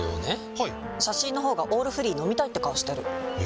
はい写真の方が「オールフリー」飲みたいって顔してるえ？